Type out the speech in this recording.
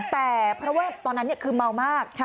แต่เพราะว่าตอนนั้นคือเมามาก